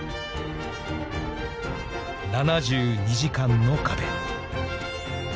［７２時間の壁］